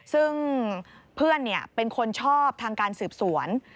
ซึ่งเพื่อนเป็นคนชอบทางการสืบสวน